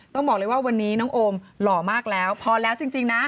ต้องบอกเลยว่าวันนี้น้องโอมหล่อมากแล้วพอแล้วจริงนะ